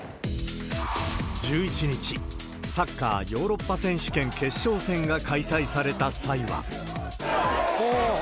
１１日、サッカーヨーロッパ選手権決勝戦が開催された際は。